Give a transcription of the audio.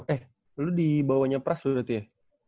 eh lu di bawahnya pras lu berarti ya